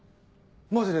マジで？